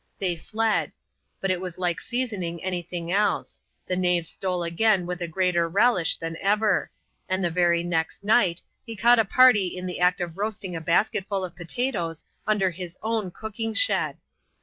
They fled. But it was like seasoning any thing else : the knaves stole again with a greater relish than •ever ; and the very next night, he caught a party in the act of roasting a basket full of potatoes under his own cooking shed.